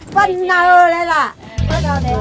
ป้าเนาแหละล่ะ